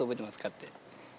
って。